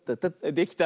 できた。